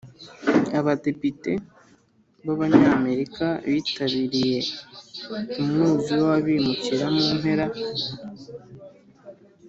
abadepite b'abanyamerika bitabiriye umwuzure w’abimukira mu mpera